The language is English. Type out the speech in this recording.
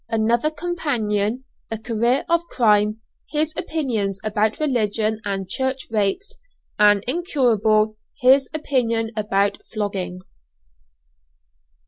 ANOTHER COMPANION A CAREER OF CRIME HIS OPINIONS ABOUT RELIGION AND CHURCH RATES AN INCURABLE: HIS OPINION ABOUT FLOGGING.